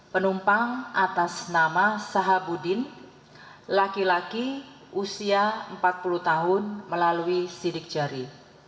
penumpang atas nama sahabudin laki laki usia empat puluh tahun melalui sidik jari